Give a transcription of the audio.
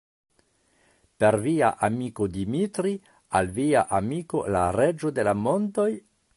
Per via amiko Dimitri, al via amiko la Reĝo de la montoj?